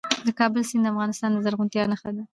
د کابل سیند د افغانستان د زرغونتیا نښه ده.